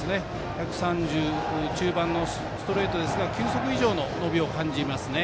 １３０中盤のストレートですが球速以上の伸びを感じますね。